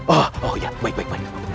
oh iya baik baik